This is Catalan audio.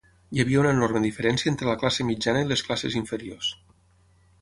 Hi havia una enorme diferència entre la classe mitjana i les classes inferiors.